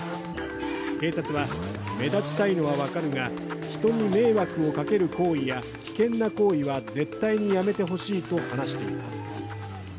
警察は目立ちたいのは分かるが人に迷惑をかける行為や危険な行為は絶対にやめてほしいと話しています。